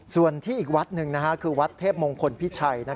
ส่วนที่อีกวัดหนึ่งคือวัดเทพมงคลพิชัย